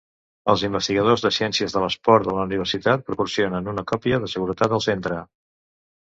Els investigadors de ciències de l'esport de la universitat proporcionen una còpia de seguretat al centre.